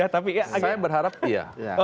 saya berharap iya